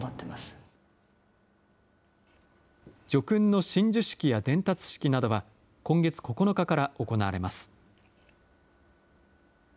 叙勲の親授式や伝達式などは、今月９日から行われます。